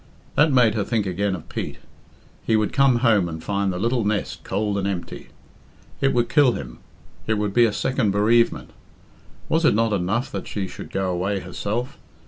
That made her think again of Pete. He would come home and find the little nest cold and empty. It would kill him; it would be a second bereavement. Was it not enough that she should go away herself?